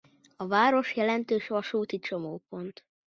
A város jelentős vasúti csomópont.